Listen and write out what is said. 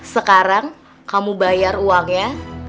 sekarang kamu bayar uangnya